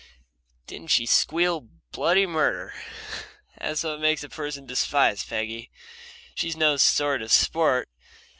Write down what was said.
didn't she squeal bloody murder? That's what makes a person despise Peggy. She's no sort of sport.